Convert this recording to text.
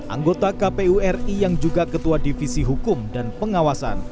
anggota kpu ri yang juga ketua divisi hukum dan pengawasan